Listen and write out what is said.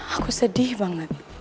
aku sedih banget